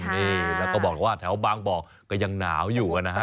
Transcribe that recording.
นี่แล้วก็บอกว่าแถวบางบ่อก็ยังหนาวอยู่นะฮะ